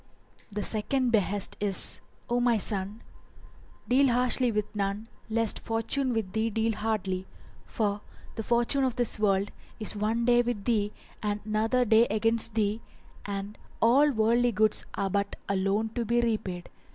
The SECOND BEHEST is, O my son: Deal harshly with none lest fortune with thee deal hardly; for the fortune of this world is one day with thee and another day against thee and all worldly goods are but a loan to be repaid.